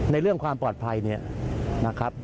เรื่องความปลอดภัยเนี่ยนะครับ